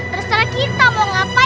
terserah kita mau ngapain